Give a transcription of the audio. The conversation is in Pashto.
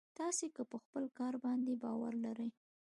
تاسې که په خپل کار باندې باور لرئ.